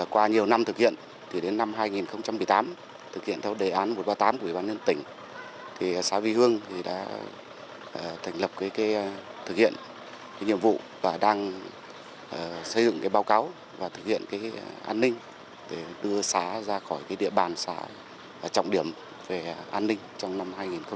qua nhiều năm thực hiện đến năm hai nghìn một mươi tám thực hiện theo đề án một trăm ba mươi tám của bản nhân tỉnh xã vi hương đã thành lập thực hiện nhiệm vụ và đang xây dựng báo cáo và thực hiện an ninh để đưa xã ra khỏi địa bàn xã trọng điểm về an ninh trong năm hai nghìn một mươi chín